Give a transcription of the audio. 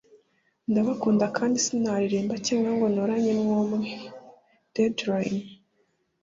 ndabakunda kandi sinaririmba cyangwa ngo ntoranyemo umwe…@deedaylan”